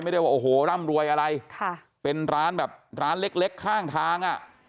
ว่าโอ้โหร่ำรวยอะไรค่ะเป็นร้านแบบร้านเล็กเล็กข้างทางอ่ะ